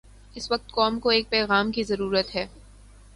اس وقت قوم کو ایک پیغام کی ضرورت ہے۔